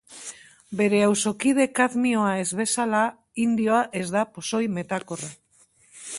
Bere auzokide kadmioa ez bezala, indioa ez da pozoi metakorra.